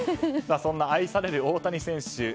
そんな愛される大谷選手